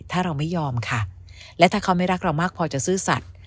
ถ้าเราไม่ยอมค่ะและถ้าเขาไม่รักเรามากพอจะซื่อสัตว์